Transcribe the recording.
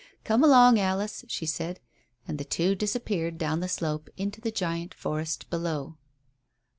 "Come along, Alice," she said. And the two disappeared down the slope into the giant forest below.